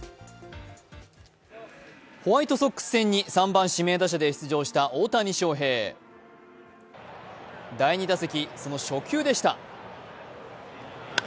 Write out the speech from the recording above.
ホワイトソックス戦に３番・指名打者で出場した大谷翔平第２打席、その初球でした。